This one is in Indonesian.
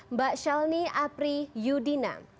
mbak shalini apri yudina